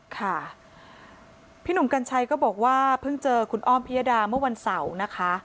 ค่ะพี่หนุ่มกัญชัยก็บอกว่าเพิ่งเจอคุณอ้อมพิยดาเมื่อวันเสาร์นะคะ